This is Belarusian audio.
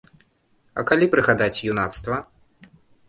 А калі прыгадаць юнацтва?